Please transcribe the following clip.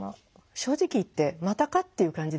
正直言ってまたかっていう感じですね。